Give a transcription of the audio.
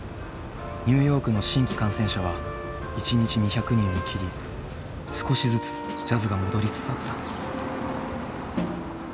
ニューヨークの新規感染者は一日２００人を切り少しずつジャズが戻りつつあった。